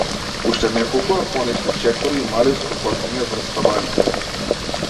Уште неколку афонични чекори и мали скокоткања врз табаните.